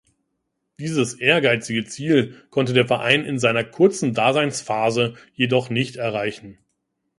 Dieses ehrgeizige Ziel konnte der Verein in seiner kurzen Daseinsphase jedoch nicht erreichen.